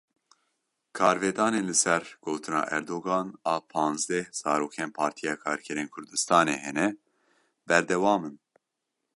Karvedanên li ser gotina Erdogan a panzdeh zarokên Partiya Karkerên Kurdistanê hene, berdewam in.